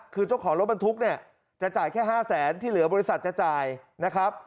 คือเจ้าของรถบรรทุกเนี่ยจะจ่ายแค่๕แสนที่เหลือบริษัทจะจ่ายนะครับ